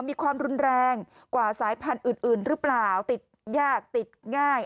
มีความรุนแรงกว่าสายพันธุ์อื่นหรือเปล่าติดยากติดง่าย